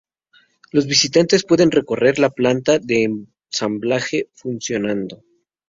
Los visitantes pueden recorrer la planta de ensamblaje funcionando.